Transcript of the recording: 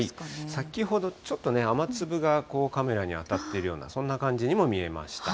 先ほどちょっとね、雨粒がカメラに当たっているような、そんな感じにも見えました。